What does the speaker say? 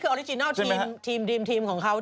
ออธิบายที่ของเขา